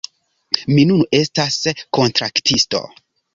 Mi nun estas kontraktisto